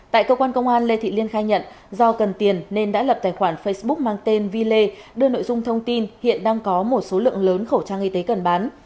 tại cơ quan công an lê thị liên khai nhận do cần tiền nên đã lập tài khoản facebook mang tên villet đưa nội dung thông tin hiện đang có một số lượng lớn khẩu trang y tế cần bán